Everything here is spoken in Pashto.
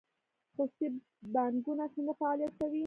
خصوصي بانکونه څنګه فعالیت کوي؟